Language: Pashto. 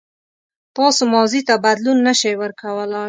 تاسو ماضي ته بدلون نه شئ ورکولای.